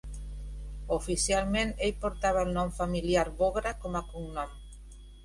Oficialment ell portava el nom familiar Bogra com a cognom.